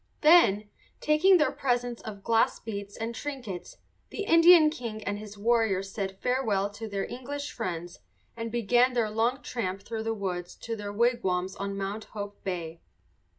Then, taking their presents of glass beads and trinkets, the Indian king and his warriors said farewell to their English friends and began their long tramp through the woods to their wigwams on Mount Hope Bay.